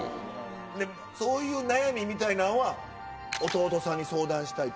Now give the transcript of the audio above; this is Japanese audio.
そういう悩みみたいなんは弟さんに相談したりとか？